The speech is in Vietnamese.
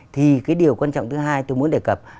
thì cái điều quan trọng thứ hai tôi muốn đề cập